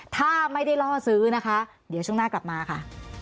ถ้าไม่ได้ล่อซื้อนะคะเดี๋ยวช่วงหน้ากลับมาค่ะ